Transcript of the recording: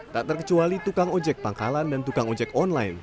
tak terkecuali tukang ojek pangkalan dan tukang ojek online